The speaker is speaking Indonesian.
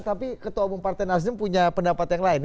tapi ketua umum partai nasdem punya pendapat yang lain